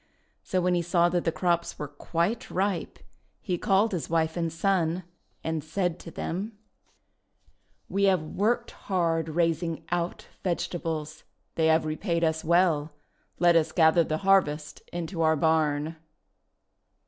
So when he saw that the crops were quite ripe, he called his wife and son, and said to them: —' We have worked hard raising OUT vegetables. They have repaid us well. Let us gather the harvest into our barn."